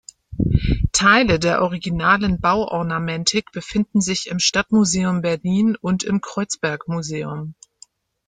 Teile der originalen Bauornamentik befinden sich im Stadtmuseum Berlin und im Kreuzberg Museum.